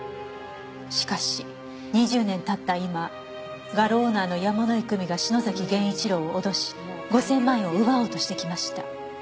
「しかし２０年経った今画廊オーナーの山井久美が篠崎源一郎を脅し５０００万円を奪おうとしてきました」